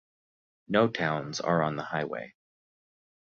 No towns are on the highway.